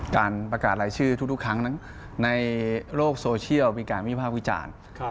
การประกาศรายชื่อทุกครั้งนั้นในโลกโซเชียลมีการวิภาควิจารณ์